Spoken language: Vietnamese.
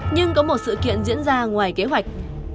nhưng có một sự kiện diễn ra ngoài kế hoạch